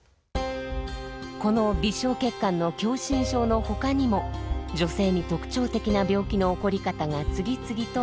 この微小血管の狭心症のほかにも女性に特徴的な病気の起こり方が次々と明らかになっています。